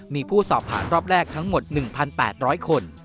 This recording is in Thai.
มีผู้สอบผ่านรอบแรกทั้งหมด๑๘๐๐คน